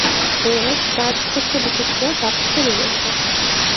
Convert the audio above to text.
এর চার-প্রকোষ্ঠবিশিষ্ট পাকস্থলী রয়েছে।